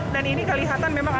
dan ini kelihatan memang antrean